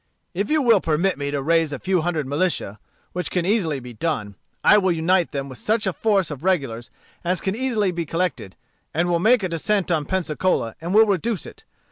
If you will permit me to raise a few hundred militia, which can easily be done, I will unite them with such a force of regulars as can easily be collected, and will make a descent on Pensacola, and will reduce it.